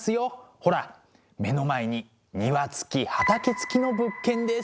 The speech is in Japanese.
ほら目の前に庭付き畑付きの物件です！